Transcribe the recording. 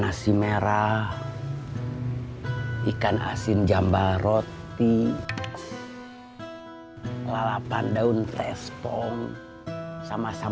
pan esy bikin telur ceproknya masih pakai resep yang sama kan